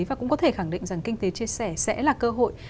và cũng có thể khẳng định rằng kinh tế chia sẻ sẽ là cơ hội